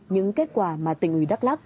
những kết quả mà tỉnh ủy đắk lắc